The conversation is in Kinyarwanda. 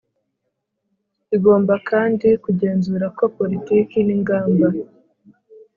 Igomba kandi kugenzura ko politiki n ingamba